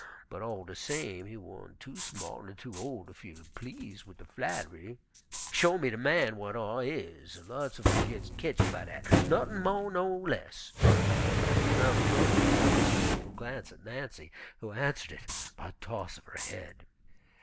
But all de same he wan't too smart ner too ol' ter feel please' wid de flatt'ry; show me de man whar is; lots uv 'em gits ketched by dat, nuttin' mo' ner less," and here Aunt 'Phrony cast a scornful glance at Nancy, who answered it by a toss of the head.